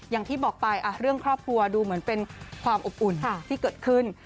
อย่างที่บอกไปเรื่องครอบครัวดูเหมือนเป็นความอบอุ่นที่เกิดขึ้น